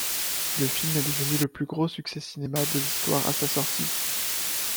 Le film est devenu le plus gros succès cinéma de l'histoire à sa sortie.